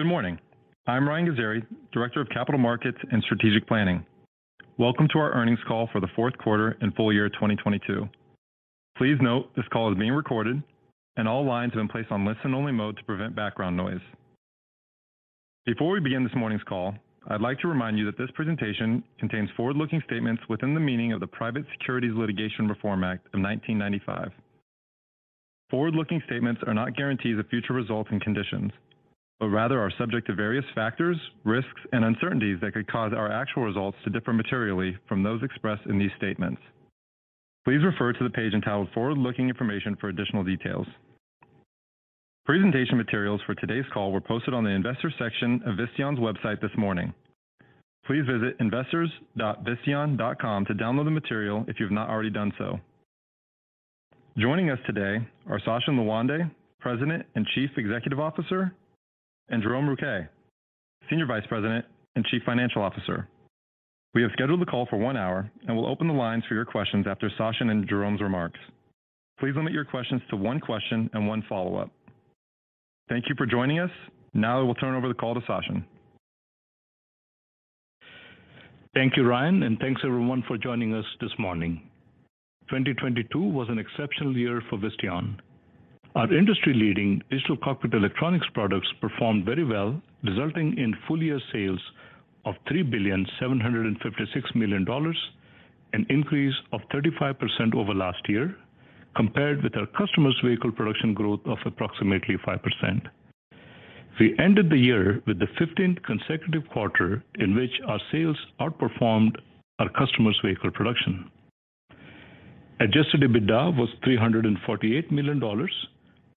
Good morning. I'm Ryan Ghazaeri, Director of Capital Markets and Strategic Planning. Welcome to our earnings call for the fourth quarter and full year 2022. Please note this call is being recorded and all lines have been placed on listen-only mode to prevent background noise. Before we begin this morning's call, I'd like to remind you that this presentation contains forward-looking statements within the meaning of the Private Securities Litigation Reform Act of 1995. Forward-looking statements are not guarantees of future results and conditions, but rather are subject to various factors, risks, and uncertainties that could cause our actual results to differ materially from those expressed in these statements. Please refer to the page entitled Forward-Looking Information for additional details. Presentation materials for today's call were posted on the investors section of Visteon's website this morning. Please visit investors.Visteon.com to download the material if you've not already done so. Joining us today are Sachin Lawande, President and Chief Executive Officer, and Jérôme Rouquet, Senior Vice President and Chief Financial Officer. We have scheduled the call for one hour and we'll open the lines for your questions after Sachin and Jérôme's remarks. Please limit your questions to one question and one follow-up. Thank you for joining us. Now we'll turn over the call to Sachin. Thank you, Ryan, and thanks everyone for joining us this morning. 2022 was an exceptional year for Visteon. Our industry-leading digital cockpit electronics products performed very well, resulting in full-year sales of $3.756 billion, an increase of 35% over last year, compared with our customers' vehicle production growth of approximately 5%. We ended the year with the 15th consecutive quarter in which our sales outperformed our customers' vehicle production. Adjusted EBITDA was $348 million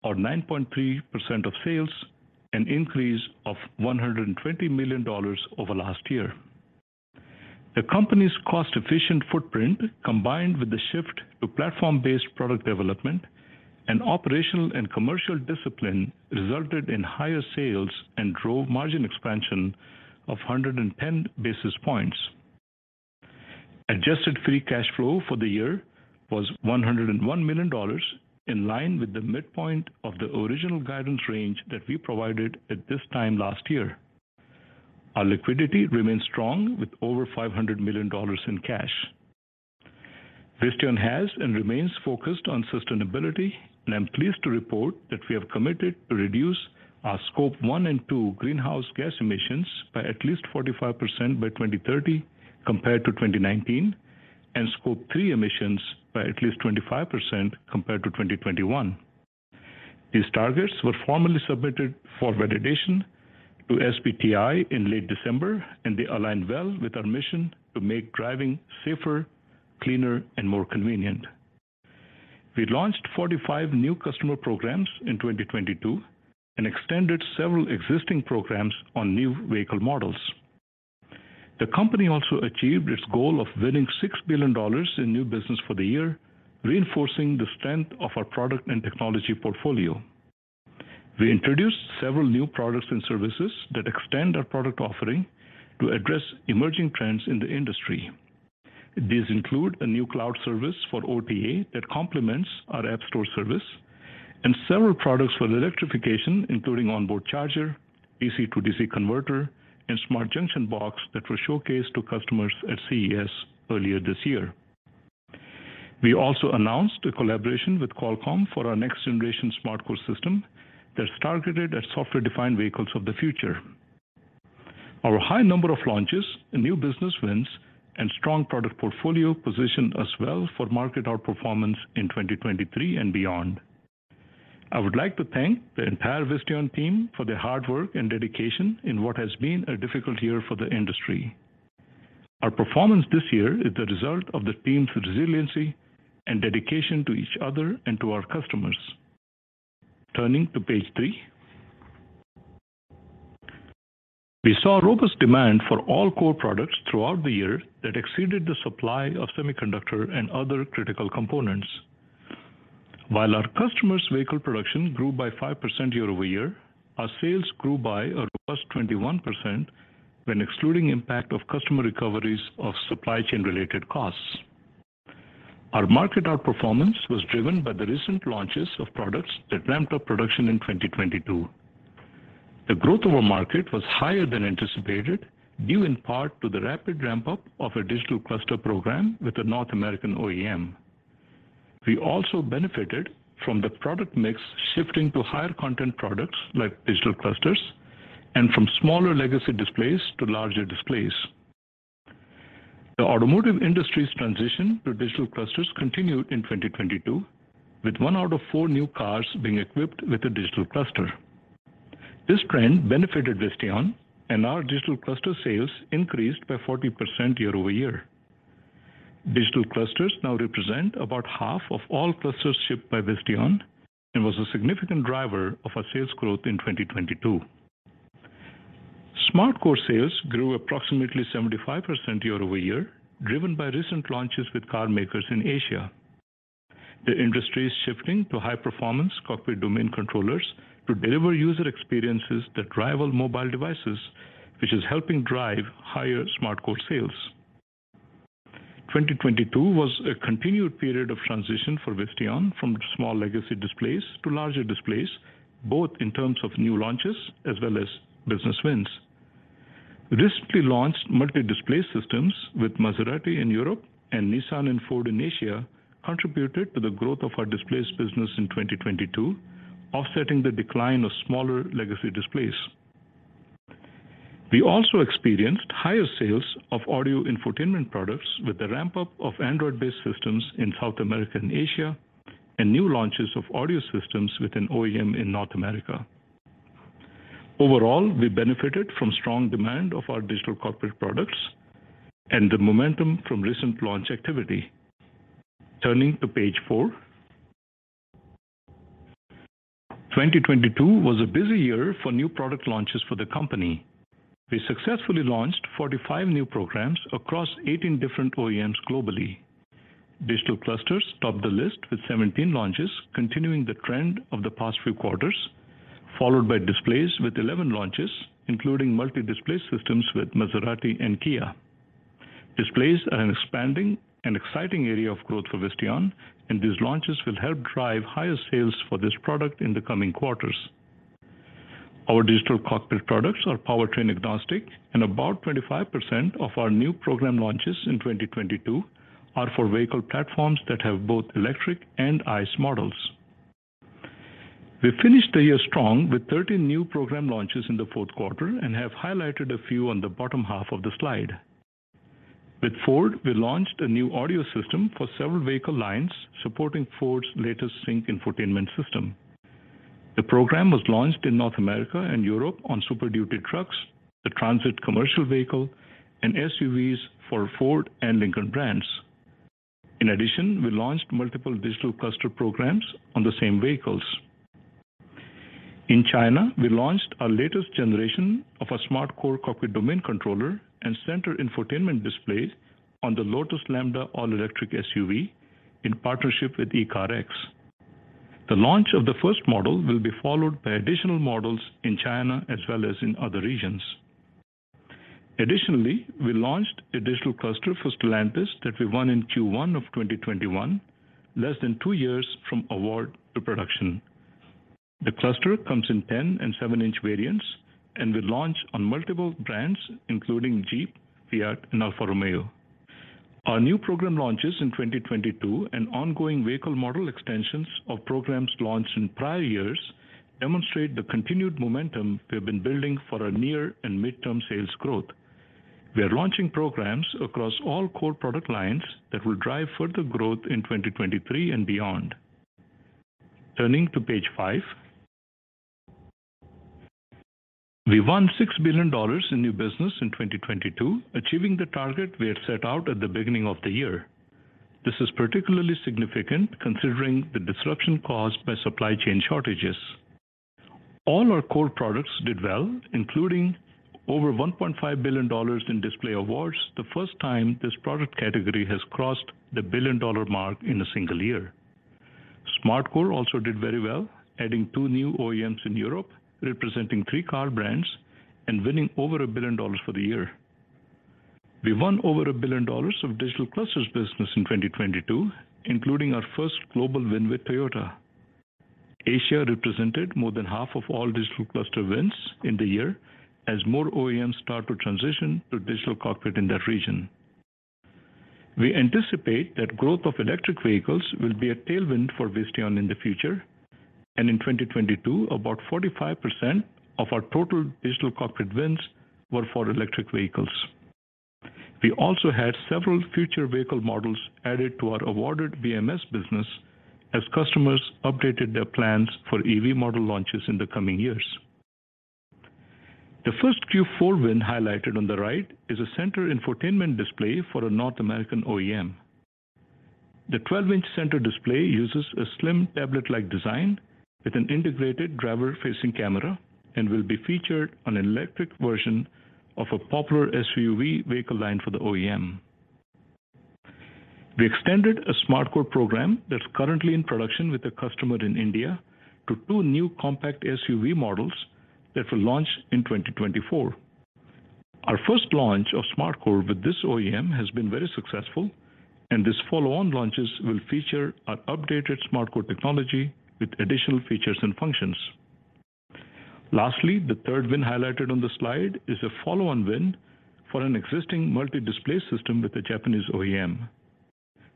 or 9.3% of sales, an increase of $120 million over last year. The company's cost-efficient footprint, combined with the shift to platform-based product development and operational and commercial discipline, resulted in higher sales and drove margin expansion of 110 basis points. Adjusted free cash flow for the year was $101 million, in line with the midpoint of the original guidance range that we provided at this time last year. Our liquidity remains strong with over $500 million in cash. Visteon has and remains focused on sustainability. I'm pleased to report that we have committed to reduce our Scope 1 and 2 greenhouse gas emissions by at least 45% by 2030 compared to 2019. Scope 3 emissions by at least 25% compared to 2021. These targets were formally submitted for validation to SBTi in late December. They align well with our mission to make driving safer, cleaner, and more convenient. We launched 45 new customer programs in 2022 and extended several existing programs on new vehicle models. The company also achieved its goal of winning $6 billion in new business for the year, reinforcing the strength of our product and technology portfolio. We introduced several new products and services that extend our product offering to address emerging trends in the industry. These include a new cloud service for OTA that complements our App Store service and several products for electrification, including onboard charger, DC/DC converter, and smart junction box that were showcased to customers at CES earlier this year. We also announced a collaboration with Qualcomm for our next generation SmartCore system that's targeted at software-defined vehicles of the future. Our high number of launches and new business wins and strong product portfolio position us well for market outperformance in 2023 and beyond. I would like to thank the entire Visteon team for their hard work and dedication in what has been a difficult year for the industry. Our performance this year is the result of the team's resiliency and dedication to each other and to our customers. Turning to page three. We saw robust demand for all core products throughout the year that exceeded the supply of semiconductor and other critical components. While our customers' vehicle production grew by 5% year-over-year, our sales grew by a robust 21% when excluding impact of customer recoveries of supply chain related costs. Our market outperformance was driven by the recent launches of products that ramped up production in 2022. The growth of our market was higher than anticipated, due in part to the rapid ramp-up of a digital cluster program with a North American OEM. We also benefited from the product mix shifting to higher content products like digital clusters and from smaller legacy displays to larger displays. The automotive industry's transition to digital clusters continued in 2022, with one out of four new cars being equipped with a digital cluster. This trend benefited Visteon and our digital cluster sales increased by 40% year-over-year. Digital clusters now represent about half of all clusters shipped by Visteon and was a significant driver of our sales growth in 2022. SmartCore sales grew approximately 75% year-over-year, driven by recent launches with carmakers in Asia. The industry is shifting to high-performance cockpit domain controllers to deliver user experiences that rival mobile devices, which is helping drive higher SmartCore sales. 2022 was a continued period of transition for Visteon from small legacy displays to larger displays, both in terms of new launches as well as business wins. Recently launched multi-display systems with Maserati in Europe and Nissan and Ford in Asia contributed to the growth of our displays business in 2022, offsetting the decline of smaller legacy displays. We also experienced higher sales of audio infotainment products with the ramp-up of Android-based systems in South America and Asia, and new launches of audio systems with an OEM in North America. We benefited from strong demand of our digital cockpit products and the momentum from recent launch activity. Turning to page four. 2022 was a busy year for new product launches for the company. We successfully launched 45 new programs across 18 different OEMs globally. Digital clusters topped the list with 17 launches, continuing the trend of the past few quarters, followed by displays with 11 launches, including multi-display systems with Maserati and Kia. Displays are an expanding and exciting area of growth for Visteon, and these launches will help drive higher sales for this product in the coming quarters. Our digital cockpit products are powertrain agnostic, and about 25% of our new program launches in 2022 are for vehicle platforms that have both electric and ICE models. We finished the year strong with 13 new program launches in the fourth quarter and have highlighted a few on the bottom half of the slide. With Ford, we launched a new audio system for several vehicle lines supporting Ford's latest Sync infotainment system. The program was launched in North America and Europe on Super Duty trucks, the Transit commercial vehicle, and SUVs for Ford and Lincoln brands. In addition, we launched multiple digital cluster programs on the same vehicles. In China, we launched our latest generation of a SmartCore cockpit domain controller and center infotainment displays on the Lotus Lambda all-electric SUV in partnership with ECARX. The launch of the first model will be followed by additional models in China as well as in other regions. Additionally, we launched a digital cluster for Stellantis that we won in Q1 of 2021, less than two years from award to production. The cluster comes in 10 and seven-inch variants and will launch on multiple brands, including Jeep, Fiat, and Alfa Romeo. Our new program launches in 2022 and ongoing vehicle model extensions of programs launched in prior years demonstrate the continued momentum we've been building for our near and midterm sales growth. We are launching programs across all core product lines that will drive further growth in 2023 and beyond. Turning to page five. We won $6 billion in new business in 2022, achieving the target we had set out at the beginning of the year. This is particularly significant considering the disruption caused by supply chain shortages. All our core products did well, including over $1.5 billion in display awards, the first time this product category has crossed the $1 billion mark in a single year. SmartCore also did very well, adding two new OEMs in Europe, representing three car brands, and winning over $1 billion for the year. We won over $1 billion of digital clusters business in 2022, including our first global win with Toyota. Asia represented more than half of all digital cluster wins in the year as more OEMs start to transition to digital cockpit in that region. We anticipate that growth of electric vehicles will be a tailwind for Visteon in the future. In 2022, about 45% of our total digital cockpit wins were for electric vehicles. We also had several future vehicle models added to our awarded BMS business as customers updated their plans for EV model launches in the coming years. The first Q4 win highlighted on the right is a center infotainment display for a North American OEM. The 12-inch center display uses a slim tablet-like design with an integrated driver-facing camera and will be featured on an electric version of a popular SUV vehicle line for the OEM. We extended a SmartCore program that's currently in production with a customer in India to two new compact SUV models that will launch in 2024. Our first launch of SmartCore with this OEM has been very successful, and these follow-on launches will feature an updated SmartCore technology with additional features and functions. Lastly, the third win highlighted on the slide is a follow-on win for an existing multi-display system with a Japanese OEM.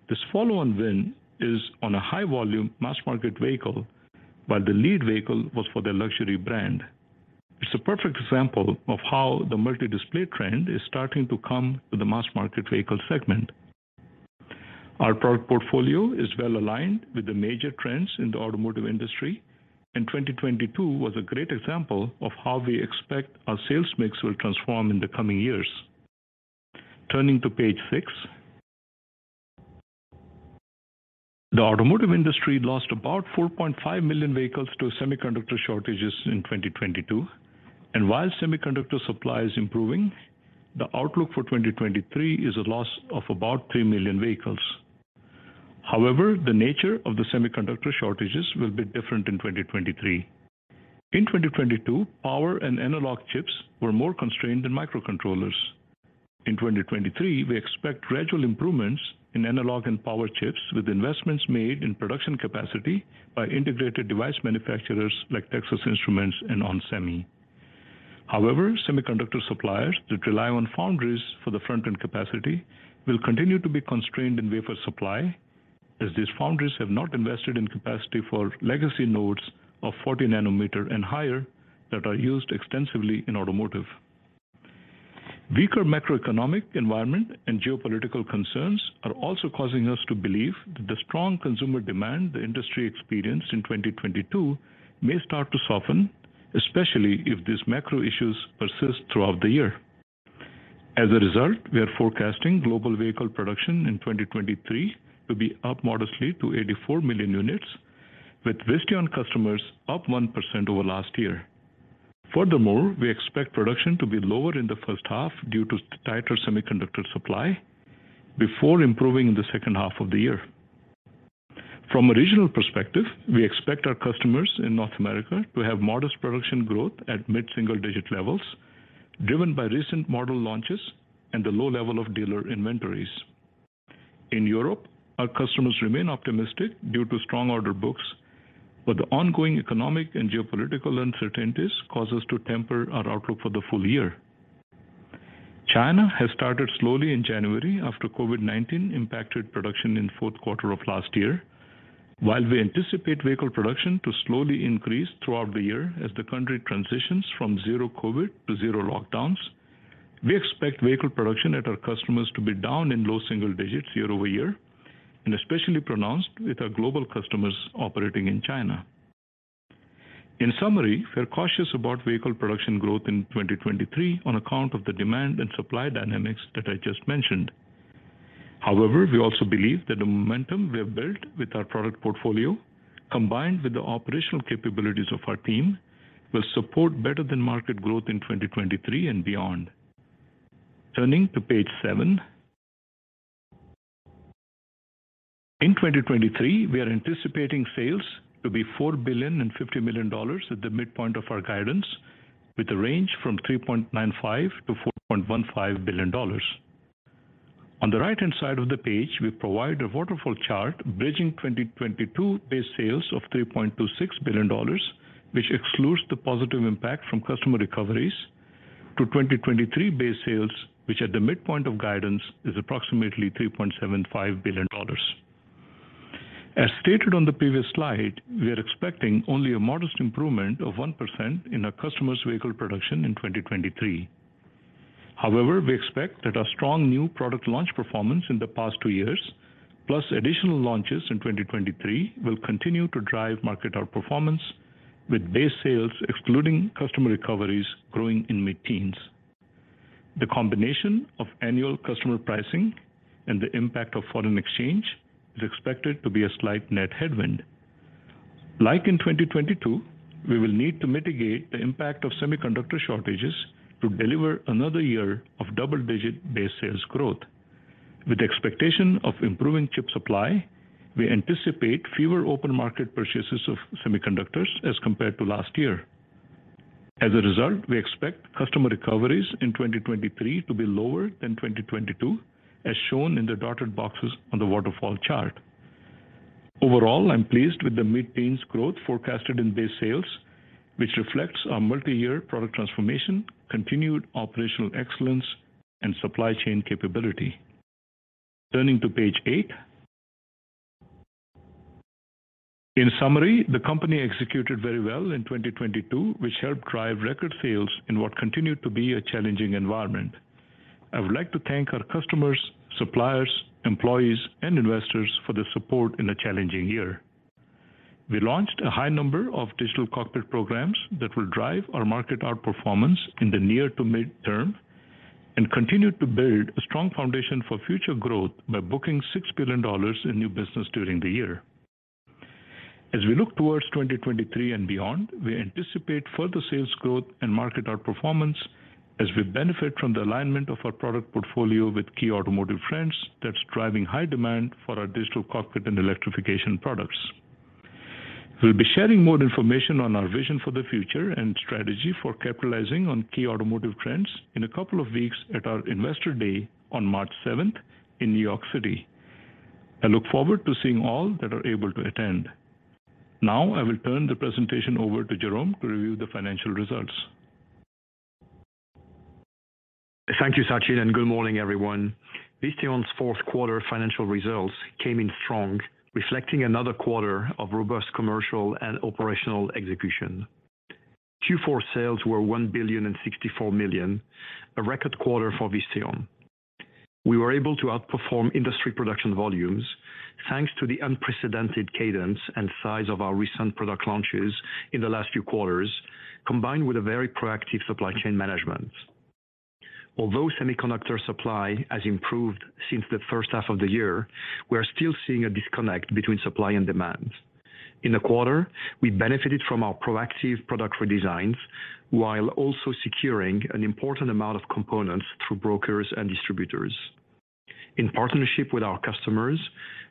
This follow-on win is on a high volume mass market vehicle, while the lead vehicle was for their luxury brand. It's a perfect example of how the multi-display trend is starting to come to the mass market vehicle segment. Our product portfolio is well aligned with the major trends in the automotive industry. 2022 was a great example of how we expect our sales mix will transform in the coming years. Turning to page six. The automotive industry lost about 4.5 million vehicles to semiconductor shortages in 2022. While semiconductor supply is improving, the outlook for 2023 is a loss of about 3 million vehicles. However, the nature of the semiconductor shortages will be different in 2023. In 2022, power and analog chips were more constrained than microcontrollers. In 2023, we expect gradual improvements in analog and power chips with investments made in production capacity by integrated device manufacturers like Texas Instruments and onsemi. Semiconductor suppliers that rely on foundries for the front-end capacity will continue to be constrained in wafer supply, as these foundries have not invested in capacity for legacy nodes of 40 nm and higher that are used extensively in automotive. Weaker macroeconomic environment and geopolitical concerns are also causing us to believe that the strong consumer demand the industry experienced in 2022 may start to soften, especially if these macro issues persist throughout the year. As a result, we are forecasting global vehicle production in 2023 to be up modestly to 84 million units, with Visteon customers up 1% over last year. Furthermore, we expect production to be lower in the first half due to tighter semiconductor supply before improving in the second half of the year. From a regional perspective, we expect our customers in North America to have modest production growth at mid-single digit levels, driven by recent model launches and the low level of dealer inventories. In Europe, our customers remain optimistic due to strong order books, but the ongoing economic and geopolitical uncertainties cause us to temper our outlook for the full year. China has started slowly in January after COVID-19 impacted production in fourth quarter of last year. We anticipate vehicle production to slowly increase throughout the year as the country transitions from zero COVID to zero lockdowns, we expect vehicle production at our customers to be down in low single digits year-over-year, and especially pronounced with our global customers operating in China. In summary, we are cautious about vehicle production growth in 2023 on account of the demand and supply dynamics that I just mentioned. We also believe that the momentum we have built with our product portfolio, combined with the operational capabilities of our team, will support better than market growth in 2023 and beyond. Turning to page seven. In 2023, we are anticipating sales to be $4.05 billion at the midpoint of our guidance, with a range from $3.95 billion-$4.15 billion. On the right-hand side of the page, we provide a waterfall chart bridging 2022 base sales of $3.26 billion, which excludes the positive impact from customer recoveries to 2023 base sales, which at the midpoint of guidance is approximately $3.75 billion. As stated on the previous slide, we are expecting only a modest improvement of 1% in our customers' vehicle production in 2023. We expect that our strong new product launch performance in the past two years, plus additional launches in 2023, will continue to drive market outperformance with base sales excluding customer recoveries growing in mid-teens. The combination of annual customer pricing and the impact of foreign exchange is expected to be a slight net headwind. Like in 2022, we will need to mitigate the impact of semiconductor shortages to deliver another year of double-digit base sales growth. With the expectation of improving chip supply, we anticipate fewer open market purchases of semiconductors as compared to last year. We expect customer recoveries in 2023 to be lower than 2022, as shown in the dotted boxes on the waterfall chart. I'm pleased with the mid-teens growth forecasted in base sales, which reflects our multi-year product transformation, continued operational excellence, and supply chain capability. Turning to page eight. In summary, the company executed very well in 2022, which helped drive record sales in what continued to be a challenging environment. I would like to thank our customers, suppliers, employees, and investors for the support in a challenging year. We launched a high number of digital cockpit programs that will drive our market outperformance in the near to mid-term and continue to build a strong foundation for future growth by booking $6 billion in new business during the year. As we look towards 2023 and beyond, we anticipate further sales growth and market outperformance as we benefit from the alignment of our product portfolio with key automotive trends that's driving high demand for our digital cockpit and electrification products. We'll be sharing more information on our vision for the future and strategy for capitalizing on key automotive trends in a couple of weeks at our Investor Day on March 7th in New York City. I look forward to seeing all that are able to attend. I will turn the presentation over to Jérôme to review the financial results. Thank you, Sachin, and good morning, everyone. Visteon's fourth quarter financial results came in strong, reflecting another quarter of robust commercial and operational execution. Q4 sales were $1.064 billion, a record quarter for Visteon. We were able to outperform industry production volumes, thanks to the unprecedented cadence and size of our recent product launches in the last few quarters, combined with a very proactive supply chain management. Although semiconductor supply has improved since the first half of the year, we are still seeing a disconnect between supply and demand. In the quarter, we benefited from our proactive product redesigns, while also securing an important amount of components through brokers and distributors. In partnership with our customers,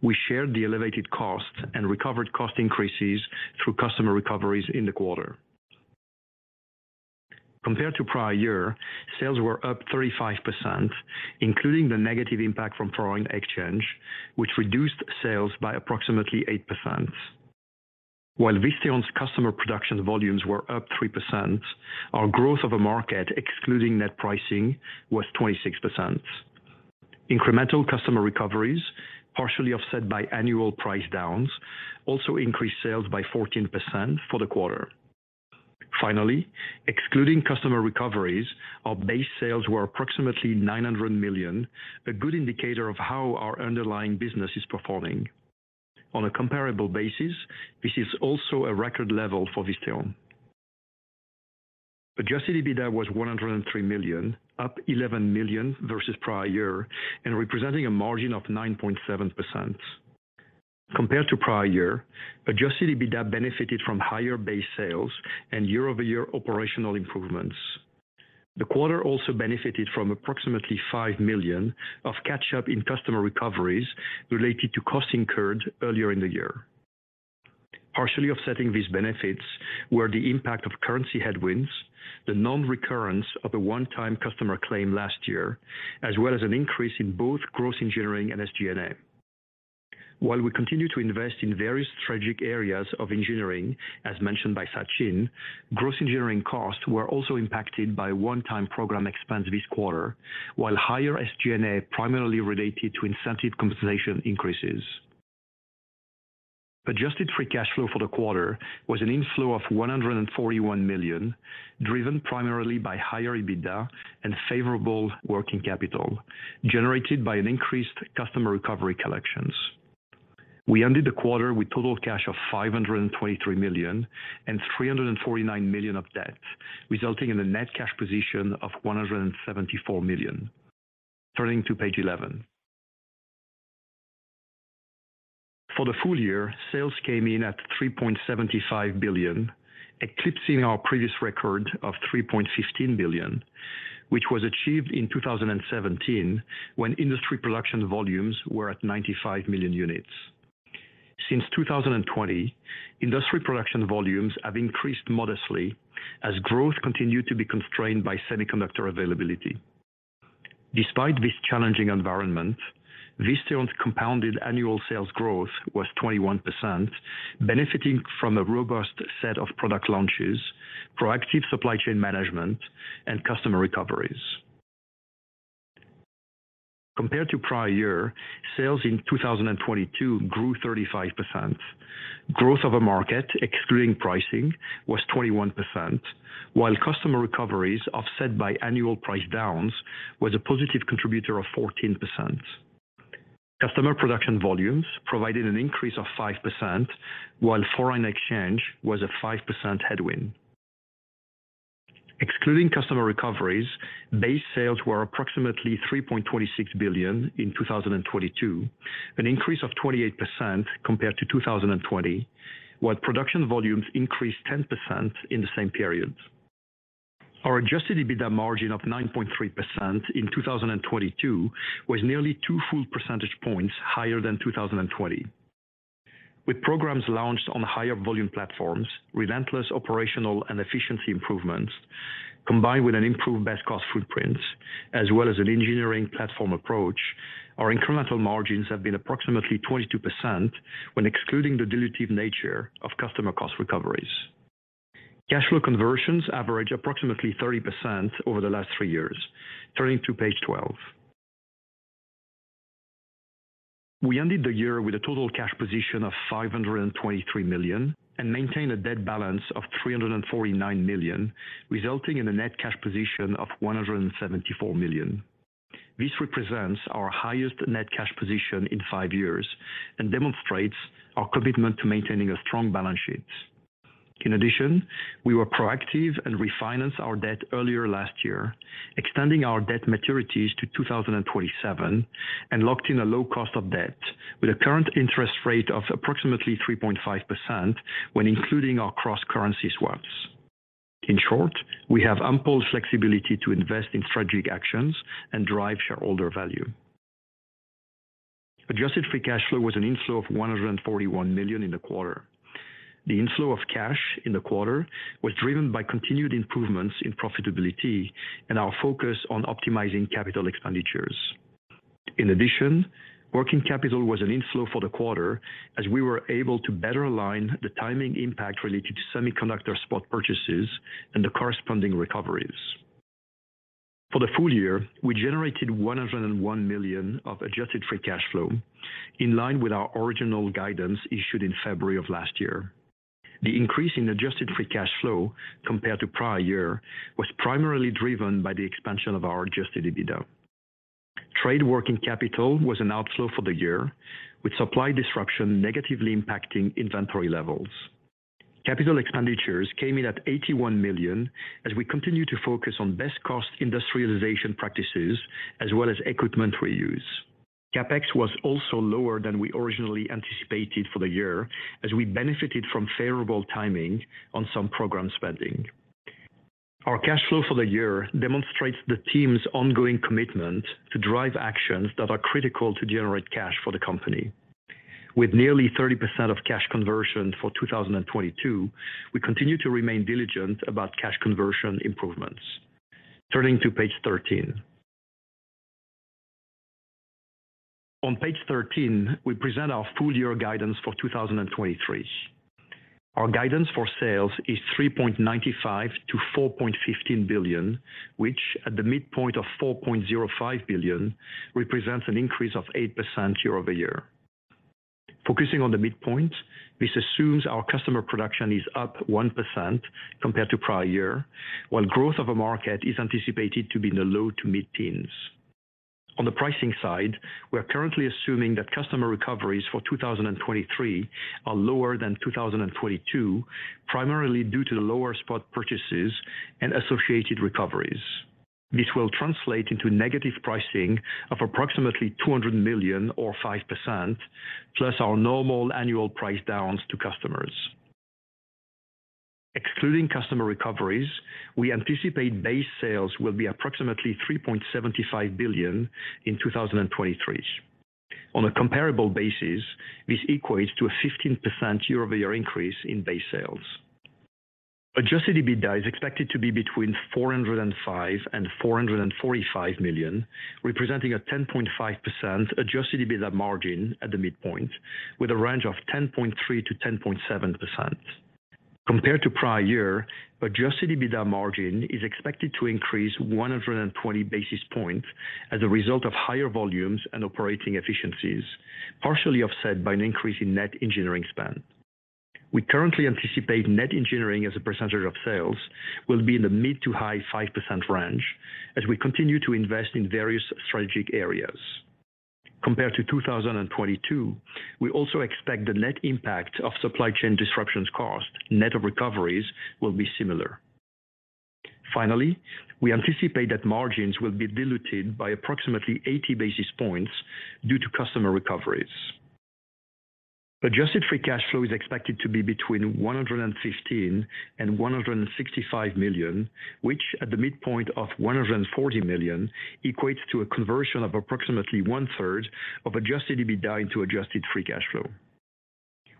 we shared the elevated costs and recovered cost increases through customer recoveries in the quarter. Compared to prior year, sales were up 35%, including the negative impact from foreign exchange, which reduced sales by approximately 8%. While Visteon's customer production volumes were up 3%, our growth of a market excluding net pricing was 26%. Incremental customer recoveries, partially offset by annual price downs, also increased sales by 14% for the quarter. Excluding customer recoveries, our base sales were approximately $900 million, a good indicator of how our underlying business is performing. On a comparable basis, this is also a record level for Visteon. Adjusted EBITDA was $103 million, up $11 million versus prior year, and representing a margin of 9.7%. Compared to prior year, Adjusted EBITDA benefited from higher base sales and year-over-year operational improvements. The quarter also benefited from approximately $5 million of catch-up in customer recoveries related to costs incurred earlier in the year. Partially offsetting these benefits were the impact of currency headwinds, the non-recurrence of a one-time customer claim last year, as well as an increase in both gross engineering and SG&A. While we continue to invest in various strategic areas of engineering, as mentioned by Sachin, gross engineering costs were also impacted by one-time program expense this quarter, while higher SG&A primarily related to incentive compensation increases. Adjusted free cash flow for the quarter was an inflow of $141 million, driven primarily by higher EBITDA and favorable working capital generated by an increased customer recovery collections. We ended the quarter with total cash of $523 million and $349 million of debt, resulting in a net cash position of $174 million. Turning to page 11. For the full year, sales came in at $3.75 billion, eclipsing our previous record of $3.15 billion, which was achieved in 2017 when industry production volumes were at 95 million units. Since 2020, industry production volumes have increased modestly as growth continued to be constrained by semiconductor availability. Despite this challenging environment, Visteon's compounded annual sales growth was 21%, benefiting from a robust set of product launches, proactive supply chain management, and customer recoveries. Compared to prior year, sales in 2022 grew 35%. Growth of a market, excluding pricing, was 21%, while customer recoveries offset by annual price downs was a positive contributor of 14%. Customer production volumes provided an increase of 5%, while foreign exchange was a 5% headwind. Excluding customer recoveries, base sales were approximately $3.26 billion in 2022, an increase of 28% compared to 2020, while production volumes increased 10% in the same period. Our adjusted EBITDA margin of 9.3% in 2022 was nearly 2 full percentage points higher than 2020. With programs launched on higher volume platforms, relentless operational and efficiency improvements, combined with an improved base cost footprint, as well as an engineering platform approach, our incremental margins have been approximately 22% when excluding the dilutive nature of customer cost recoveries. Cash flow conversions average approximately 30% over the last three years. Turning to page 12. We ended the year with a total cash position of $523 million and maintained a debt balance of $349 million, resulting in a net cash position of $174 million. This represents our highest net cash position in five years and demonstrates our commitment to maintaining a strong balance sheet. We were proactive and refinanced our debt earlier last year, extending our debt maturities to 2027 and locked in a low cost of debt with a current interest rate of approximately 3.5% when including our cross-currency swaps. We have ample flexibility to invest in strategic actions and drive shareholder value. Adjusted free cash flow was an inflow of $141 million in the quarter. The inflow of cash in the quarter was driven by continued improvements in profitability and our focus on optimizing capital expenditures. In addition, working capital was an inflow for the quarter as we were able to better align the timing impact related to semiconductor spot purchases and the corresponding recoveries. For the full year, we generated $101 million of adjusted free cash flow in line with our original guidance issued in February of last year. The increase in adjusted free cash flow compared to prior year was primarily driven by the expansion of our adjusted EBITDA. Trade working capital was an outflow for the year, with supply disruption negatively impacting inventory levels. Capital expenditures came in at $81 million as we continue to focus on best cost industrialization practices as well as equipment reuse. CapEx was also lower than we originally anticipated for the year as we benefited from favorable timing on some program spending. Our cash flow for the year demonstrates the team's ongoing commitment to drive actions that are critical to generate cash for the company. With nearly 30% of cash conversion for 2022, we continue to remain diligent about cash conversion improvements. Turning to page 13. Page 13, we present our full year guidance for 2023. Our guidance for sales is $3.95 billion-$4.15 billion, which at the midpoint of $4.05 billion, represents an increase of 8% year-over-year. Focusing on the midpoint, this assumes our customer production is up 1% compared to prior year, while growth of a market is anticipated to be in the low to mid-teens. On the pricing side, we are currently assuming that customer recoveries for 2023 are lower than 2022, primarily due to the lower spot purchases and associated recoveries. This will translate into negative pricing of approximately $200 million or 5%, plus our normal annual price downs to customers. Excluding customer recoveries, we anticipate base sales will be approximately $3.75 billion in 2023. On a comparable basis, this equates to a 15% year-over-year increase in base sales. Adjusted EBITDA is expected to be between $405 million and $445 million, representing a 10.5% adjusted EBITDA margin at the midpoint with a range of 10.3%-10.7%. Compared to prior year, adjusted EBITDA margin is expected to increase 120 basis points as a result of higher volumes and operating efficiencies, partially offset by an increase in net engineering spend. We currently anticipate net engineering as a percentage of sales will be in the mid to high 5% range as we continue to invest in various strategic areas. Compared to 2022, we also expect the net impact of supply chain disruptions cost, net of recoveries will be similar. We anticipate that margins will be diluted by approximately 80 basis points due to customer recoveries. Adjusted free cash flow is expected to be between $115 million and $165 million, which at the midpoint of $140 million, equates to a conversion of approximately one-third of adjusted EBITDA into adjusted free cash flow.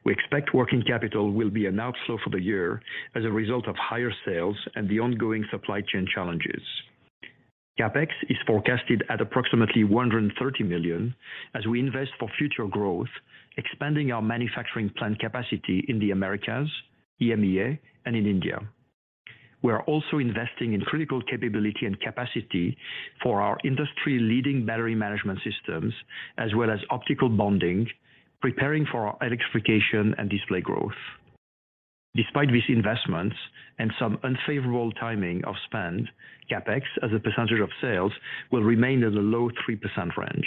We expect working capital will be an outflow for the year as a result of higher sales and the ongoing supply chain challenges. CapEx is forecasted at approximately $130 million as we invest for future growth, expanding our manufacturing plant capacity in the Americas, EMEA, and in India. We are also investing in critical capability and capacity for our industry-leading battery management systems as well as optical bonding, preparing for our electrification and display growth. Despite these investments and some unfavorable timing of spend, CapEx as a percentage of sales will remain in the low 3% range.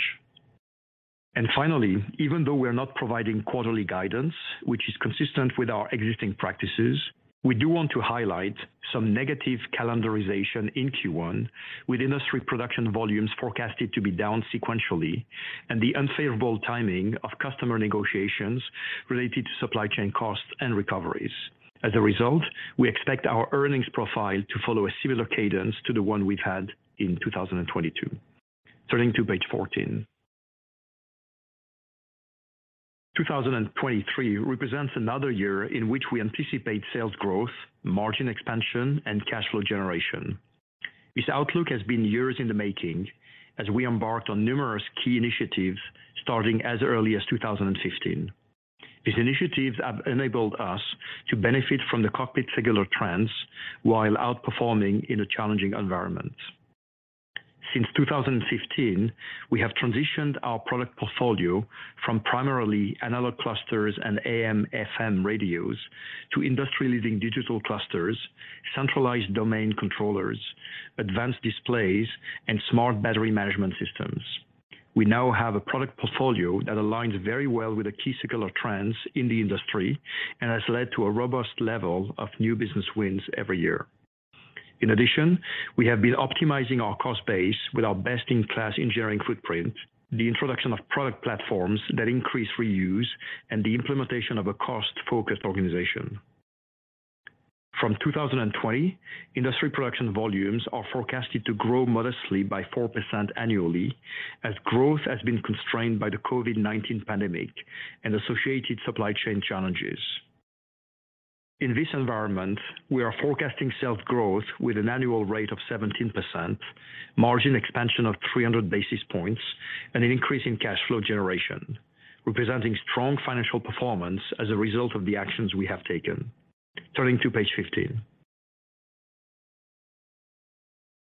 Finally, even though we are not providing quarterly guidance, which is consistent with our existing practices, we do want to highlight some negative calendarization in Q1 with industry production volumes forecasted to be down sequentially and the unfavorable timing of customer negotiations related to supply chain costs and recoveries. As a result, we expect our earnings profile to follow a similar cadence to the one we've had in 2022. Turning to page 14. 2023 represents another year in which we anticipate sales growth, margin expansion, and cash flow generation. This outlook has been years in the making as we embarked on numerous key initiatives starting as early as 2016. These initiatives have enabled us to benefit from the cockpit secular trends while outperforming in a challenging environment. Since 2015, we have transitioned our product portfolio from primarily analog clusters and AM/FM radios to industry-leading digital clusters, centralized domain controllers, advanced displays, and smart battery management systems. We now have a product portfolio that aligns very well with the key secular trends in the industry and has led to a robust level of new business wins every year. We have been optimizing our cost base with our best-in-class engineering footprint, the introduction of product platforms that increase reuse, and the implementation of a cost-focused organization. From 2020, industry production volumes are forecasted to grow modestly by 4% annually as growth has been constrained by the COVID-19 pandemic and associated supply chain challenges. In this environment, we are forecasting sales growth with an annual rate of 17%, margin expansion of 300 basis points, and an increase in cash flow generation, representing strong financial performance as a result of the actions we have taken. Turning to page 15.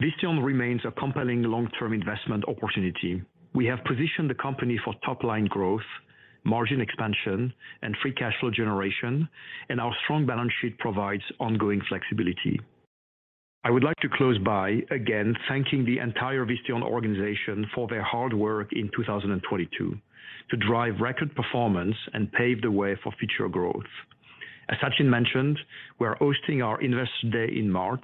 Visteon remains a compelling long-term investment opportunity. We have positioned the company for top line growth, margin expansion, and free cash flow generation. Our strong balance sheet provides ongoing flexibility. I would like to close by again thanking the entire Visteon organization for their hard work in 2022 to drive record performance and pave the way for future growth. As Sachin mentioned, we are hosting our Investor Day in March,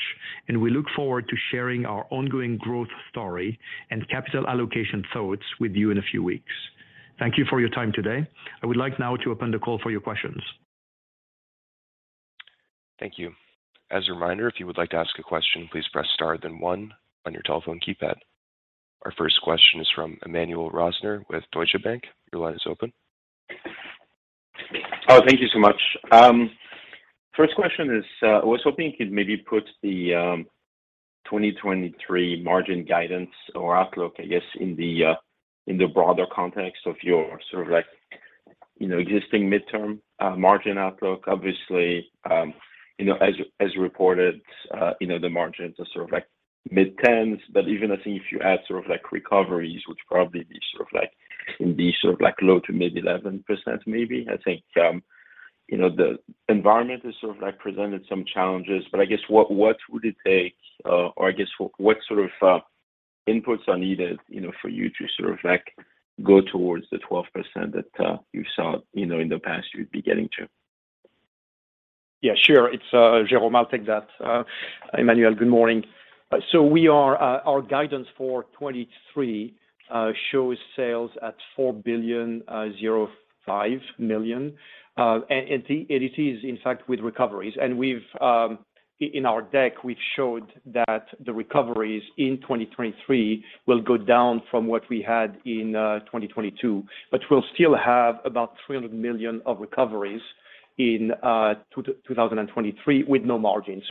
we look forward to sharing our ongoing growth story and capital allocation thoughts with you in a few weeks. Thank you for your time today. I would like now to open the call for your questions. Thank you. As a reminder, if you would like to ask a question, please press star then one on your telephone keypad. Our first question is from Emmanuel Rosner with Deutsche Bank. Your line is open. Thank you so much. First question is, I was hoping you'd maybe put the 2023 margin guidance or outlook, I guess, in the broader context of your sort of like, you know, existing midterm margin outlook. Obviously, you know, as reported, you know, the margins are sort of like mid-tens, even I think if you add sort of like recoveries, which probably be sort of like in the sort of like low to maybe 11% maybe. I think, you know, the environment has sort of like presented some challenges, I guess what would it take, or I guess what sort of inputs are needed, you know, for you to sort of like go towards the 12% that, you saw, you know, in the past you'd be getting to? Yeah, sure. It's Jérôme. I'll take that. Emmanuel, good morning. Our guidance for 2023 shows sales at $4.05 billion. It is in fact with recoveries. In our deck, we've showed that the recoveries in 2023 will go down from what we had in 2022, but we'll still have about $300 million of recoveries in 2023 with no margin.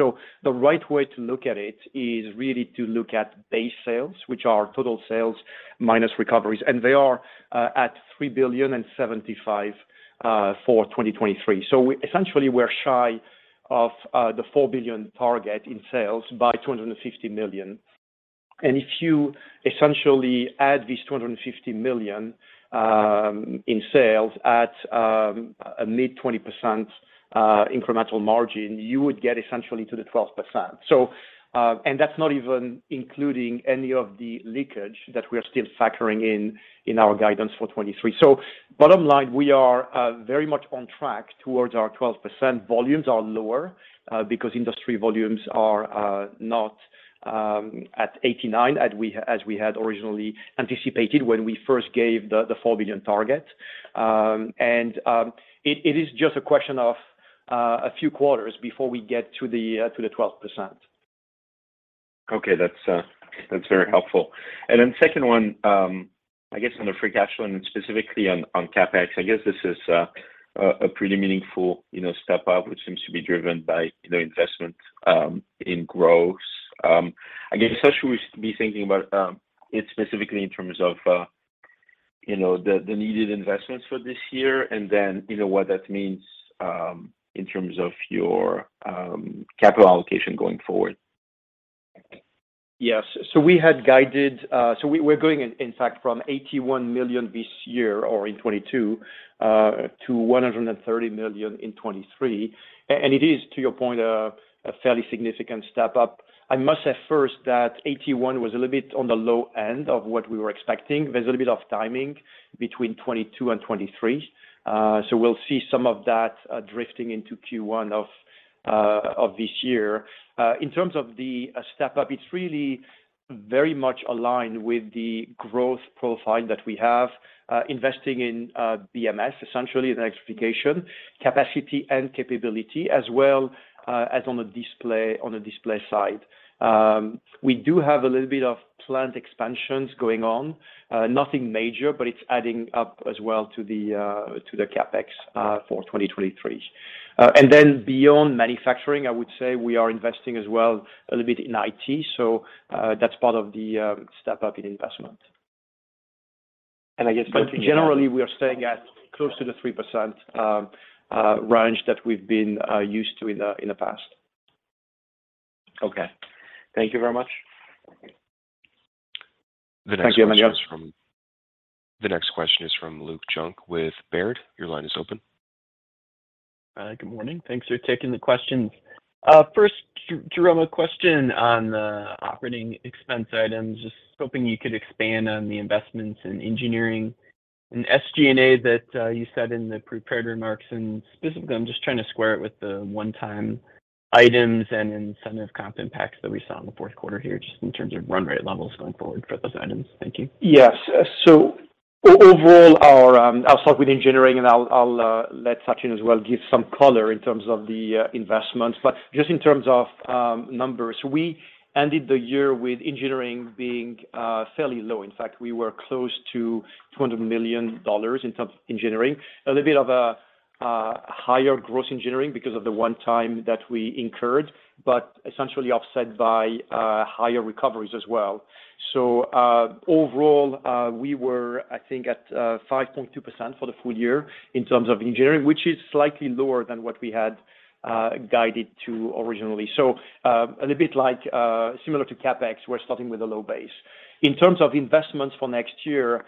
The right way to look at it is really to look at base sales, which are total sales minus recoveries, and they are at $3.75 billion, for 2023. Essentially, we're shy of the $4 billion target in sales by $250 million. If you essentially add this $250 million in sales at a mid-20% incremental margin, you would get essentially to the 12%. That's not even including any of the leakage that we are still factoring in in our guidance for 2023. Bottom line, we are very much on track towards our 12%. Volumes are lower because industry volumes are not at 89 as we had originally anticipated when we first gave the $4 billion target. It is just a question of a few quarters before we get to the 12%. Okay. That's that's very helpful. Second one, I guess on the free cash flow and specifically on CapEx, I guess this is a pretty meaningful, you know, step-up, which seems to be driven by, you know, investment in growth. I guess how should we be thinking about it specifically in terms of, you know, the needed investments for this year and then, you know, what that means in terms of your capital allocation going forward? Yes. We had guided. We're going in fact from $81 million this year or in 2022 to $130 million in 2023. It is, to your point, a fairly significant step up. I must say first that $81 million was a little bit on the low-end of what we were expecting. There's a little bit of timing between 2022 and 2023. We'll see some of that drifting into Q1 of this year. In terms of the step-up, it's really very much aligned with the growth profile that we have, investing in BMS, essentially the electrification capacity and capability as well, as on the display side. We do have a little bit of plant expansions going on. Nothing major, but it's adding up as well to the CapEx for 2023. Beyond manufacturing, I would say we are investing as well a little bit in IT. That's part of the step up in investment. And I guess- Generally, we are staying at close to the 3% range that we've been used to in the past. Okay. Thank you very much. Thank you. The next question is from- Thank you. The next question is from Luke Junk with Baird. Your line is open. Good morning. Thanks for taking the questions. First, Jérôme, a question on the operating expense items. Just hoping you could expand on the investments in engineering and SG&A that you said in the prepared remarks. Specifically, I'm just trying to square it with the one-time items and incentive comp impacts that we saw in the fourth quarter here, just in terms of run rate levels going forward for those items. Thank you. Yes. Overall our, I'll start with engineering and I'll let Sachin as well give some color in terms of the investments. Just in terms of numbers, we ended the year with engineering being fairly low. In fact, we were close to $200 million in terms of engineering. A little bit of a higher gross engineering because of the one-time that we incurred, but essentially offset by higher recoveries as well. Overall, we were, I think, at 5.2% for the full year in terms of engineering, which is slightly lower than what we had guided to originally. A little bit like similar to CapEx, we're starting with a low base. In terms of investments for next year,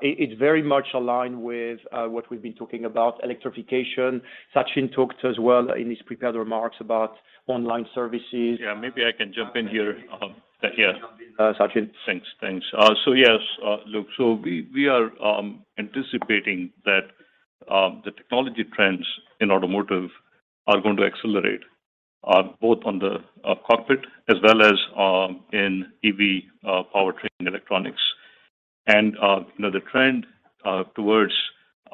it very much aligned with what we've been talking about, electrification. Sachin talked as well in his prepared remarks about online services. Yeah, maybe I can jump in here. Yeah. Sachin. Thanks. Thanks. So yes, Luke, so we are anticipating that. The technology trends in automotive are going to accelerate, both on the cockpit as well as in EV powertrain electronics. You know, the trend towards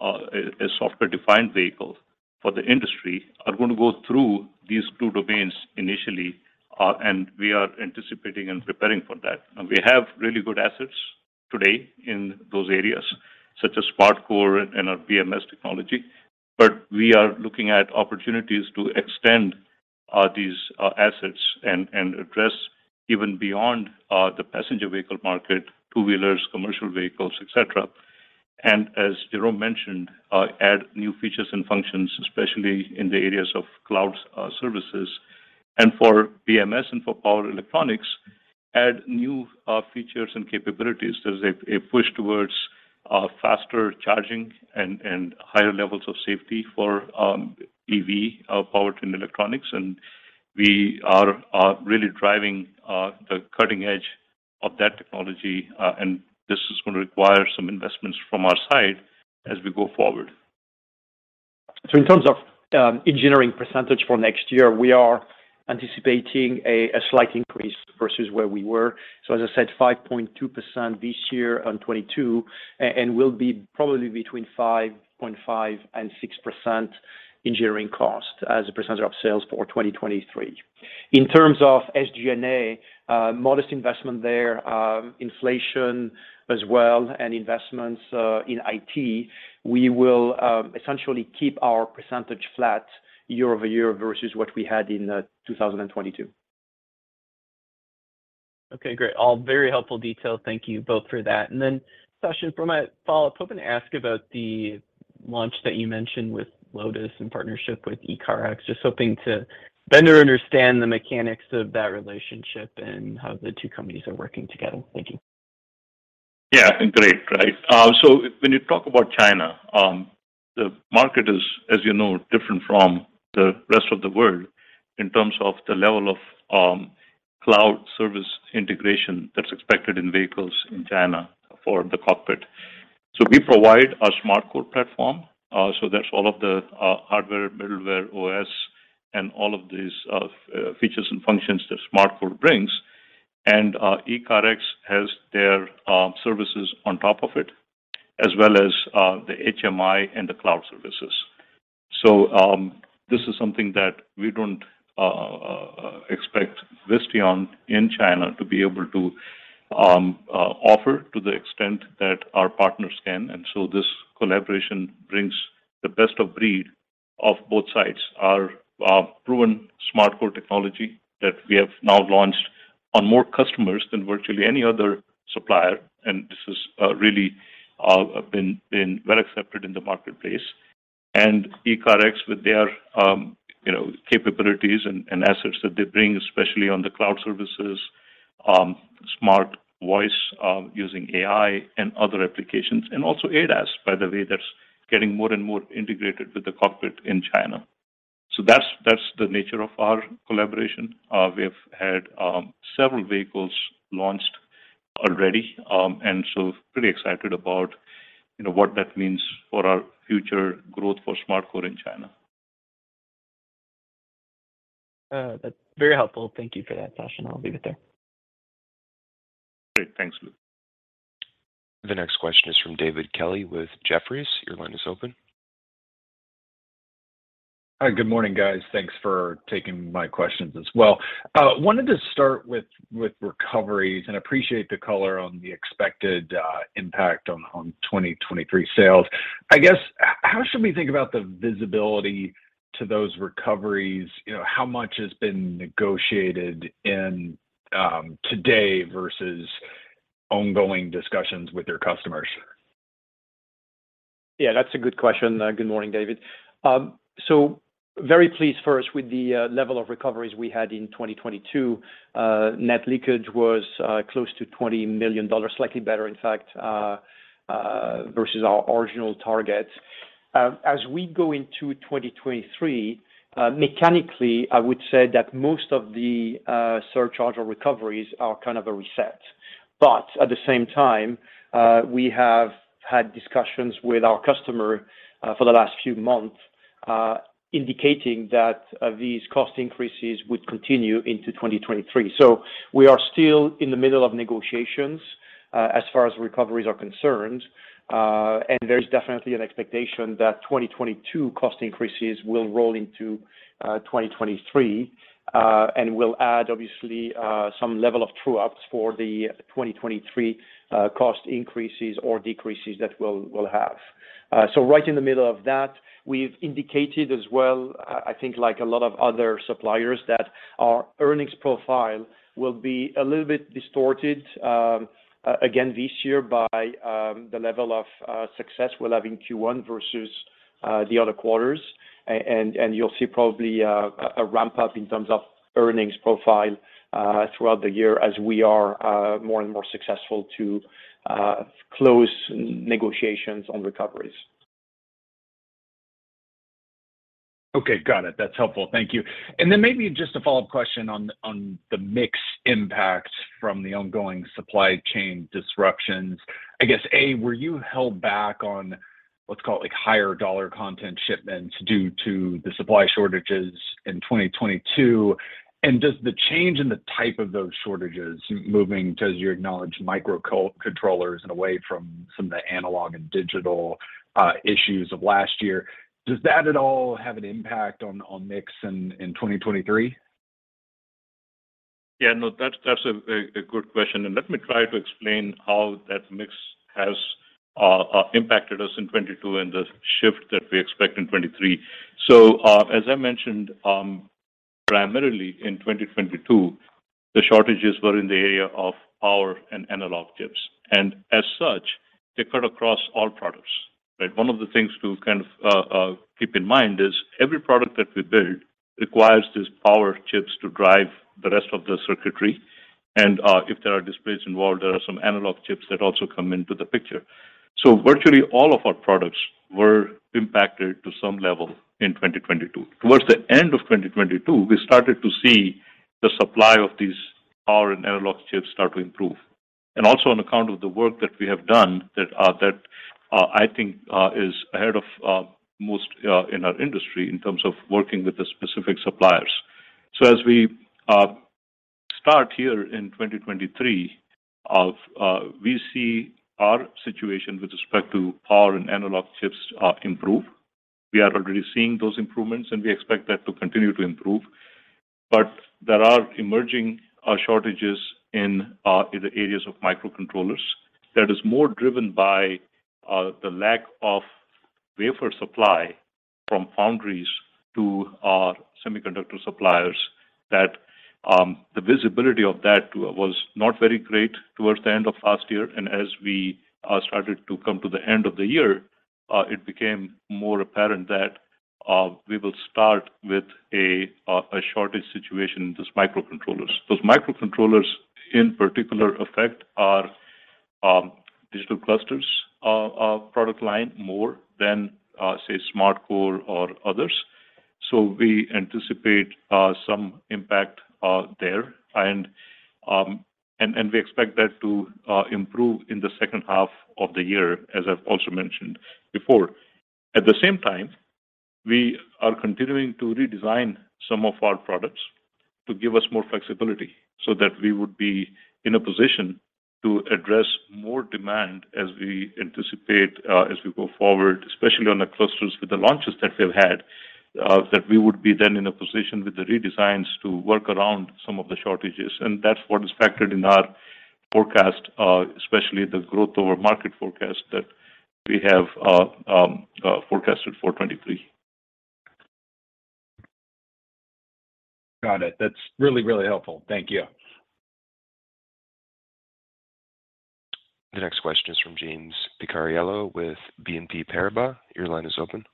a software-defined vehicle for the industry are gonna go through these two domains initially, and we are anticipating and preparing for that. We have really good assets today in those areas, such as SmartCore and our BMS technology. We are looking at opportunities to extend these assets and address even beyond the passenger vehicle market, two-wheelers, commercial vehicles, et cetera. As Jérôme mentioned, add new features and functions, especially in the areas of cloud services. For BMS and for power electronics, add new features and capabilities. There's a push towards faster charging and higher levels of safety for EV powertrain electronics. We are really driving the cutting edge of that technology, and this is gonna require some investments from our side as we go forward. In terms of engineering percentage for next year, we are anticipating a slight increase versus where we were. As I said, 5.2% this year on 2022, and will be probably between 5.5% and 6% engineering cost as a percentage of sales for 2023. In terms of SG&A, modest investment there, inflation as well, and investments in IT, we will essentially keep our percentage flat year-over-year versus what we had in 2022. Okay, great. All very helpful detail. Thank you both for that. Sachin, for my follow-up, hoping to ask about the launch that you mentioned with Lotus in partnership with ECARX. Just hoping to better understand the mechanics of that relationship and how the two companies are working together. Thank you. Yeah. Great. Right. So when you talk about China, the market is, as you know, different from the rest of the world in terms of the level of cloud service integration that's expected in vehicles in China for the cockpit. We provide a SmartCore platform, so that's all of the hardware, middleware, OS, and all of these features and functions that SmartCore brings. ECARX has their services on top of it, as well as the HMI and the cloud services. This is something that we don't expect Visteon in China to be able to offer to the extent that our partners can. This collaboration brings the best of breed of both sides. Our proven SmartCore technology that we have now launched on more customers than virtually any other supplier. This has really been well accepted in the marketplace. ECARX with their, you know, capabilities and assets that they bring, especially on the cloud services, smart voice, using AI and other applications. Also ADAS, by the way, that's getting more and more integrated with the cockpit in China. That's the nature of our collaboration. We've had several vehicles launched already, and so pretty excited about, you know, what that means for our future growth for SmartCore in China. That's very helpful. Thank you for that, Sachin. I'll leave it there. Great. Thanks, Luke. The next question is from David Kelley with Jefferies. Your line is open. Hi. Good morning, guys. Thanks for taking my questions as well. wanted to start with recoveries and appreciate the color on the expected impact on 2023 sales. I guess, how should we think about the visibility to those recoveries? You know, how much has been negotiated in today versus ongoing discussions with your customers? Yeah, that's a good question. Good morning, David. Very pleased first with the level of recoveries we had in 2022. Net leakage was close to $20 million, slightly better, in fact, versus our original targets. As we go into 2023, mechanically, I would say that most of the surcharge or recoveries are kind of a reset. At the same time, we have had discussions with our customer for the last few months, indicating that these cost increases would continue into 2023. We are still in the middle of negotiations as far as recoveries are concerned. There's definitely an expectation that 2022 cost increases will roll into 2023 and will add obviously some level of true ups for the 2023 cost increases or decreases that we'll have. Right in the middle of that, we've indicated as well, I think like a lot of other suppliers, that our earnings profile will be a little bit distorted again this year by the level of success we'll have in Q1 versus the other quarters. You'll see probably a ramp-up in terms of earnings profile throughout the year as we are more and more successful to close negotiations on recoveries. Okay, got it. That's helpful. Thank you. Maybe just a follow-up question on the mix impact from the ongoing supply chain disruptions. I guess, A, were you held back on, let's call it like higher dollar content shipments due to the chip shortages in 2022? Does the change in the type of those shortages moving to, as you acknowledge, microcontrollers and away from some of the analog and digital issues of last year, does that at all have an impact on mix in 2023? Yeah, no, that's a good question. Let me try to explain how that mix has impacted us in 2022 and the shift that we expect in 2023. As I mentioned, primarily in 2022, the shortages were in the area of power and analog chips. As such, they cut across all products, right? One of the things to kind of keep in mind is every product that we build requires these power chips to drive the rest of the circuitry. If there are displays involved, there are some analog chips that also come into the picture. Virtually all of our products were impacted to some level in 2022. Towards the end of 2022, we started to see the supply of these power and analog chips start to improve. Also on account of the work that we have done that, I think, is ahead of most in our industry in terms of working with the specific suppliers. As we start here in 2023, we see our situation with respect to power and analog chips improve. We are already seeing those improvements, and we expect that to continue to improve. There are emerging shortages in the areas of microcontrollers that is more driven by the lack of wafer supply from foundries to our semiconductor suppliers that the visibility of that was not very great towards the end of last year. As we started to come to the end of the year, it became more apparent that we will start with a shortage situation in those microcontrollers. Those microcontrollers in particular affect our digital clusters product line more than say SmartCore or others. We anticipate some impact there, and we expect that to improve in the second half of the year, as I've also mentioned before. At the same time, we are continuing to redesign some of our products to give us more flexibility so that we would be in a position to address more demand as we anticipate as we go forward, especially on the clusters with the launches that we've had that we would be then in a position with the redesigns to work around some of the shortages. That's what is factored in our forecast, especially the growth over market forecast that we have forecasted for 2023. Got it. That's really, really helpful. Thank you. The next question is from James Picariello with BNP Paribas. Your line is open.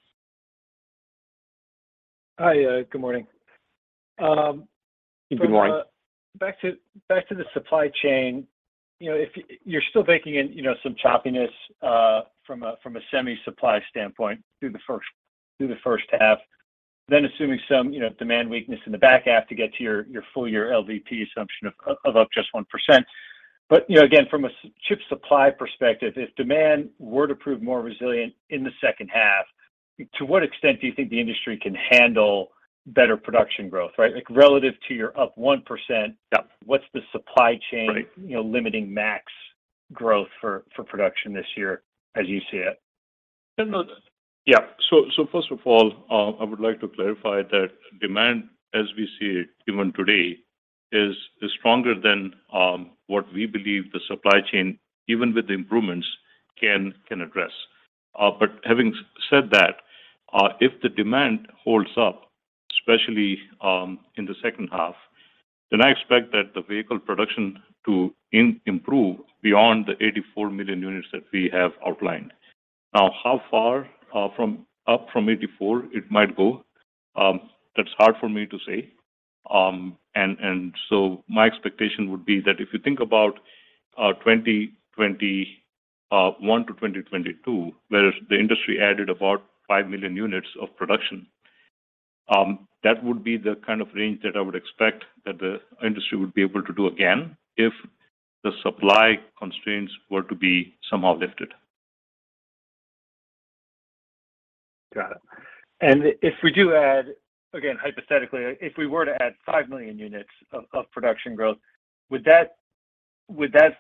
Hi. Good morning. Good morning. Back to the supply chain. You know, if you're still baking in, you know, some choppiness from a semi supply standpoint through the first half, then assuming some, you know, demand weakness in the back half to get to your full year LVP assumption of up just 1%. You know, again, from a chip supply perspective, if demand were to prove more resilient in the second half, to what extent do you think the industry can handle better production growth, right? Like, relative to your up 1%? Yeah. What's the supply chain- Right... you know, limiting max growth for production this year as you see it? Yeah. First of all, I would like to clarify that demand as we see it even today is stronger than what we believe the supply chain, even with the improvements, can address. Having said that, if the demand holds up, especially in the second half, I expect that the vehicle production to improve beyond the 84 million units that we have outlined. How far from, up from 84 it might go, that's hard for me to say. My expectation would be that if you think about 2021 to 2022, whereas the industry added about 5 million units of production, that would be the kind of range that I would expect that the industry would be able to do again if the supply constraints were to be somehow lifted. Got it. If we do add, again, hypothetically, if we were to add 5 million units of production growth, would that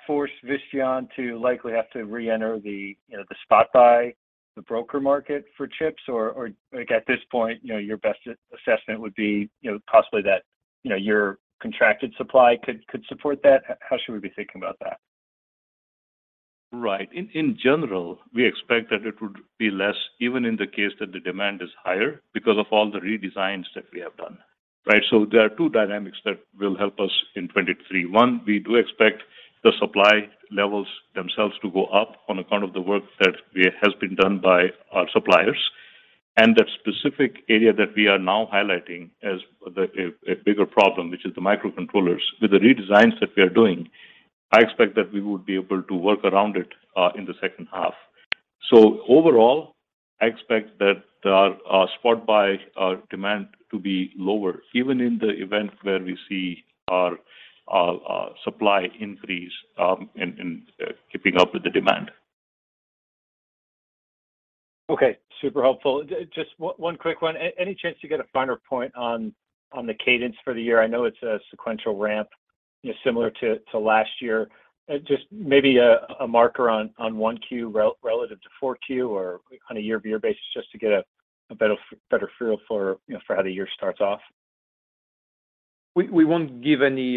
force Visteon to likely have to reenter the, you know, the spot buy, the broker market for chips? Or, like, at this point, you know, your best assessment would be, you know, possibly that, you know, your contracted supply could support that? How should we be thinking about that? Right. In general, we expect that it would be less, even in the case that the demand is higher because of all the redesigns that we have done. Right? There are two dynamics that will help us in 2023. One, we do expect the supply levels themselves to go up on account of the work that has been done by our suppliers. That specific area that we are now highlighting as a bigger problem, which is the microcontrollers. With the redesigns that we are doing I expect that we would be able to work around it in the second half. Overall, I expect that our spot buy, our demand to be lower, even in the event where we see our supply increase in keeping up with the demand. Okay. Super helpful. Just one quick one. Any chance to get a finer point on the cadence for the year? I know it's a sequential ramp, you know, similar to last year. Just maybe a marker on 1Q relative to 4Q or on a year-over-year basis just to get a better feel for, you know, for how the year starts off. We won't give any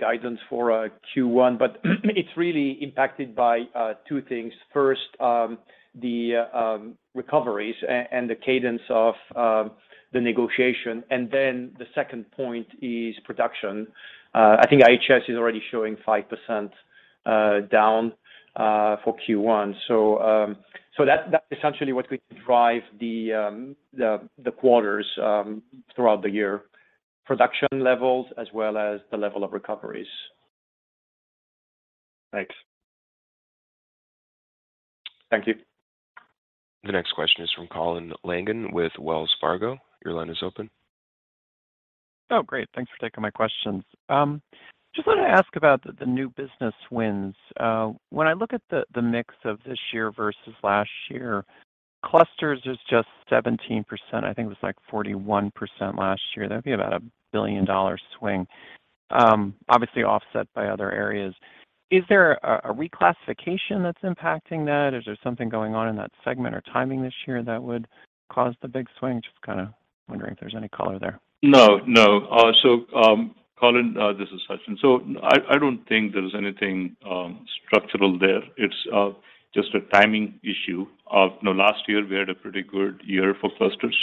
guidance for Q1, but it's really impacted by two things. First, the recoveries and the cadence of the negotiation, and then the second point is production. I think IHS is already showing 5% down for Q1. That's essentially what we drive the quarters throughout the year. Production levels as well as the level of recoveries. Thanks. Thank you. The next question is from Colin Langan with Wells Fargo. Your line is open. Great. Thanks for taking my questions. Just wanted to ask about the new business wins. When I look at the mix of this year versus last year, clusters is just 17%. I think it was like 41% last year. That'd be about a $1 billion-dollar swing, obviously offset by other areas. Is there a reclassification that's impacting that? Is there something going on in that segment or timing this year that would cause the big swing? Just kinda wondering if there's any color there. No, no. Colin, this is Sachin. I don't think there is anything structural there. It's just a timing issue. You know, last year we had a pretty good year for clusters,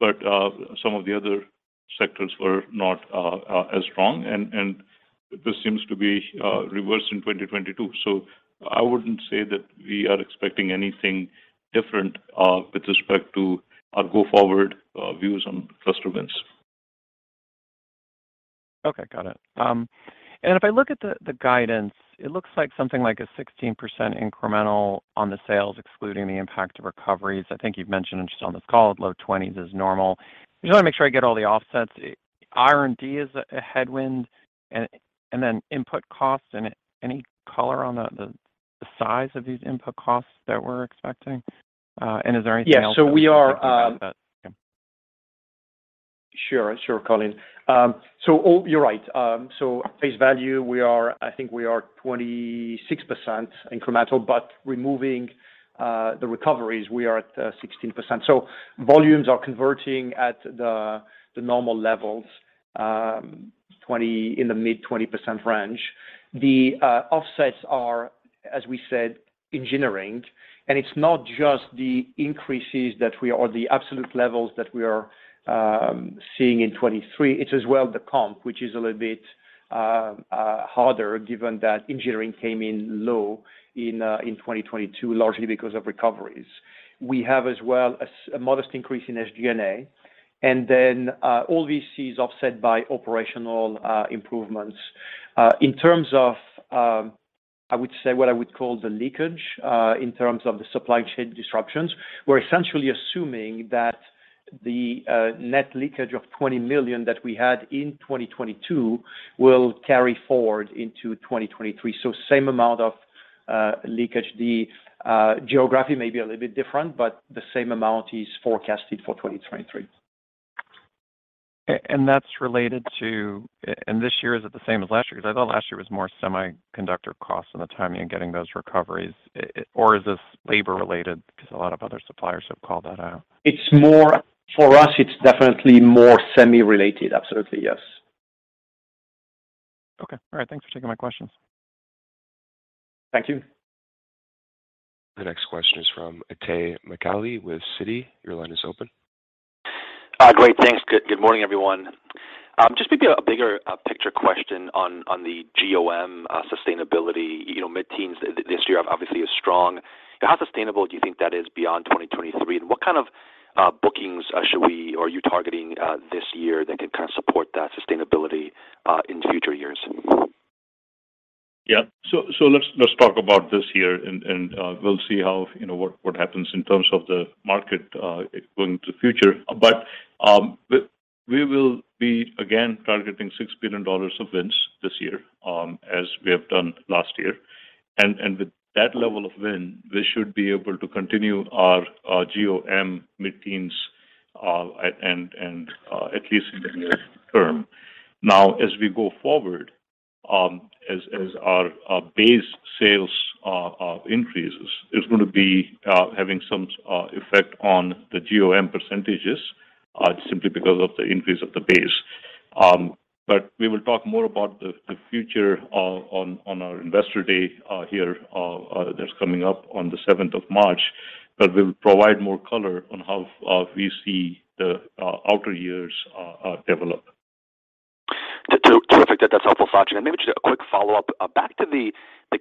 but some of the other sectors were not as strong. This seems to be reversed in 2022. I wouldn't say that we are expecting anything different with respect to our go-forward views on cluster wins. Okay, got it. If I look at the guidance, it looks like something like a 16% incremental on the sales, excluding the impact of recoveries. I think you've mentioned just on this call, low 20s is normal. Just wanna make sure I get all the offsets. R&D is a headwind and then input costs. Any color on the, the size of these input costs that we're expecting? Is there anything else that- Yeah. We are. Okay. Sure. Sure, Colin. You're right. Face value, we are, I think we are 26% incremental, but removing the recoveries, we are at 16%. Volumes are converting at the normal levels, in the mid-20% range. The offsets are, as we said, engineering. It's not just the increases that we are or the absolute levels that we are seeing in 2023. It's as well the comp, which is a little bit harder given that engineering came in low in 2022, largely because of recoveries. We have as well a modest increase in SG&A, and then all this is offset by operational improvements. In terms of, I would say what I would call the leakage, in terms of the supply chain disruptions, we're essentially assuming that the net leakage of $20 million that we had in 2022 will carry forward into 2023. Same amount of leakage. The geography may be a little bit different, but the same amount is forecasted for 2023. That's related to... This year, is it the same as last year? 'Cause I thought last year was more semiconductor costs and the timing in getting those recoveries. Is this labor related? 'Cause a lot of other suppliers have called that out. For us, it's definitely more semi-related. Absolutely, yes. Okay. All right. Thanks for taking my questions. Thank you. The next question is from Itay Michaeli with Citi. Your line is open. Great. Thanks. Good morning, everyone. just maybe a bigger picture question on the GOM sustainability. You know, mid-teens this year obviously is strong. How sustainable do you think that is beyond 2023? What kind of bookings should we or you targeting this year that can kind of support that sustainability in future years? Yeah. So let's talk about this year and we'll see how, you know, what happens in terms of the market going to the future. We will be again targeting $6 billion of wins this year as we have done last year. With that level of win, we should be able to continue our GOM mid-teens and at least in the near-term. Now, as we go forward, as our base sales increases, it's gonna be having some effect on the GOM percentages simply because of the increase of the base. We will talk more about the future on our Investor Day here that's coming up on the 7th of March. We'll provide more color on how we see the outer years develop. Terrific. That's helpful, Sachin. Maybe just a quick follow-up. Back to the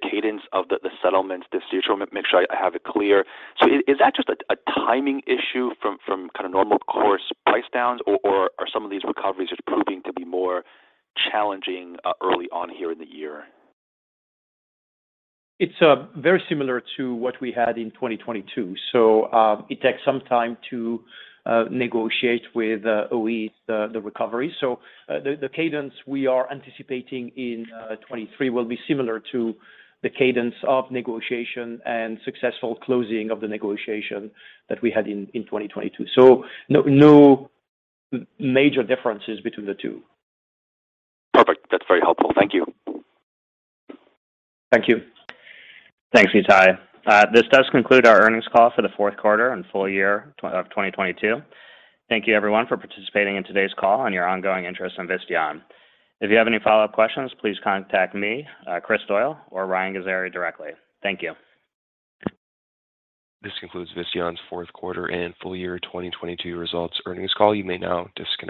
cadence of the settlements, just to, make sure I have it clear. Is that just a timing issue from kinda normal course price downs or are some of these recoveries just proving to be more challenging early on here in the year? It's very similar to what we had in 2022. It takes some time to negotiate with OE, the recovery. The cadence we are anticipating in 2023 will be similar to the cadence of negotiation and successful closing of the negotiation that we had in 2022. No major differences between the two. Perfect. That's very helpful. Thank you. Thank you. Thanks, Itay. this does conclude our earnings call for the fourth quarter and full year 2022. Thank you everyone for participating in today's call and your ongoing interest in Visteon. If you have any follow-up questions, please contact me, Kris Doyle or Ryan Ghazaeri directly. Thank you. This concludes Visteon's Fourth Quarter and Full Year 2022 Results Earnings Call. You may now disconnect.